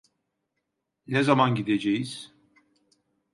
Ne zaman gideceğiz?